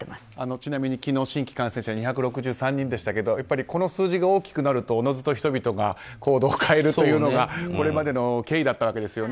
ちなみに昨日、新規感染者２６３人でしたがこの数字が大きくなるとおのずと人々が行動を変えるというのがこれまでの経緯だったわけですよね。